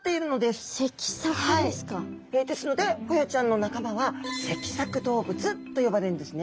ですのでホヤちゃんの仲間は脊索動物と呼ばれるんですね。